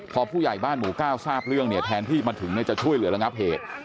พอผู้ใหญ่บ้านหมู่ก้าวทราบเรื่องเนี่ยแทนที่มาถึงจะช่วยเหลือระงับเหตุ